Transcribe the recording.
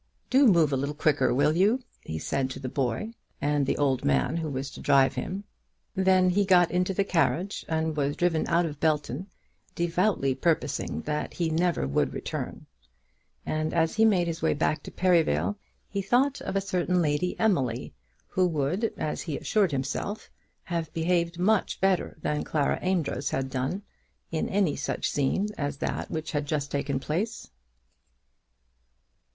"Do move a little quicker; will you?" he said to the boy and the old man who was to drive him. Then he got into the carriage, and was driven out of Belton, devoutly purposing that he never would return; and as he made his way back to Perivale he thought of a certain Lady Emily, who would, as he assured himself, have behaved much better than Clara Amedroz had done in any such scene as that which had just taken place.